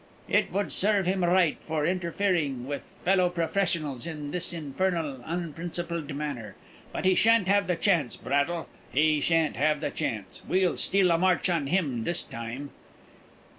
"It would serve him right, for interfering with fellow professionals in this infernal unprincipled manner. But he shan't have the chance, Braddle, he shan't have the chance; we'll steal a march on him this time."